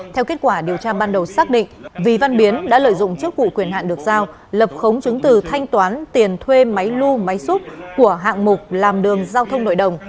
theo kết quả điều tra ban đầu xác định vi văn biến đã lợi dụng chức vụ quyền hạn được giao lập khống chứng từ thanh toán tiền thuê máy lưu máy xúc của hạng mục làm đường giao thông nội đồng